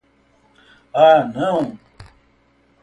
Ah não